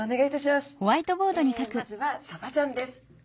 まずはサバちゃんです。